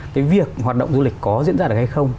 cái việc hoạt động du lịch có diễn ra được hay không